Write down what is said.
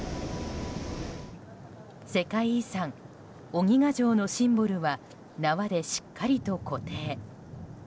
世界遺産・鬼ヶ城のシンボルは縄でしっかりと固定。